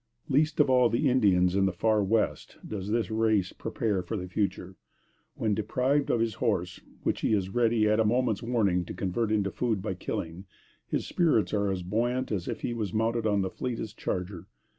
Least of all the Indians in the far West does this race prepare for the future. When deprived of his horse, which he is ready, at a moment's warning, to convert into food by killing, his spirits are as buoyant as if he was mounted on the fleetest charger.